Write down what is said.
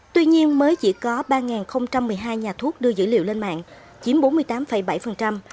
tuy nhiên mới chỉ có ba một mươi hai nhà thuốc đưa dữ liệu lên mạng chiếm bốn mươi tám bảy